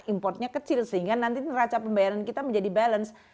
importnya kecil sehingga nanti neraca pembayaran kita menjadi balance